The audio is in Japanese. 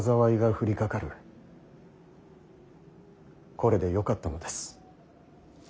これでよかったのです。